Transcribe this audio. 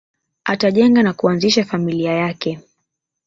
Atajenga na kuanzisha familia yake